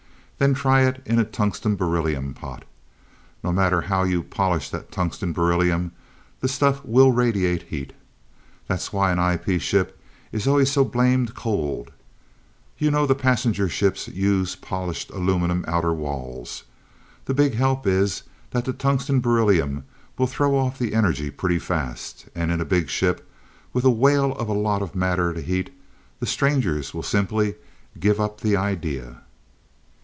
Then try it in a tungsten beryllium pot. No matter how you polish that tungsten beryllium, the stuff WILL radiate heat. That's why an IP ship is always so blamed cold. You know the passenger ships use polished aluminum outer walls. The big help is, that the tungsten beryllium will throw off the energy pretty fast, and in a big ship, with a whale of a lot of matter to heat, the Strangers will simply give up the idea."